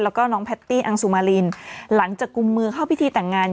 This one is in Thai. แล้วก็น้องแพตตี้อังสุมารินหลังจากกุมมือเข้าพิธีแต่งงาน